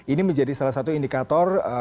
ini menjadi salah satu indikator